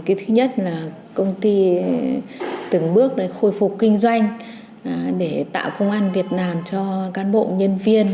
cái thứ nhất là công ty từng bước khôi phục kinh doanh để tạo công an việt nam cho cán bộ nhân viên